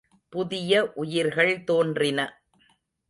புதிய உயிர்கள் தோன்றின.